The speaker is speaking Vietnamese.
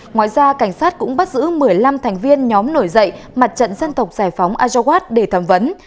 ngoài ra cảnh sát cũng bắt giữ một mươi năm thành viên nhóm nổi dậy mặt trận dân tộc giải phóng azowas để thẩm vấn